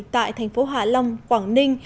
tại thành phố hạ long quảng ninh